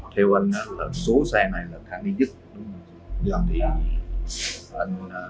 chỗ xe này nhé